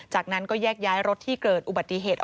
จากนั้นก็แยกย้ายรถที่เกิดอุบัติเหตุ